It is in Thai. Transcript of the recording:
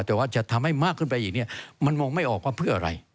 แต่ว่าจะทำให้มากขึ้นไปอีกเนี่ยมันมองไม่ออกว่าเพื่ออะไร